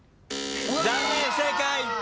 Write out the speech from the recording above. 残念不正解。